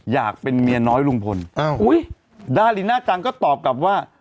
อยากเป็นเมียน้อยลุงพลอ้าวอุ้ยด้านลิน่าจังก็ตอบกลับว่า